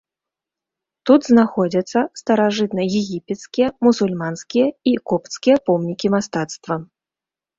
Тут знаходзяцца старажытнаегіпецкія, мусульманскія і копцкія помнікі мастацтва.